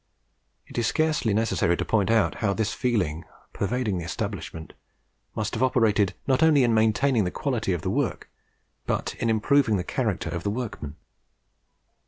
It is scarcely necessary to point out how this feeling, pervading the establishment, must have operated, not only in maintaining the quality of the work, but in improving the character of the workmen.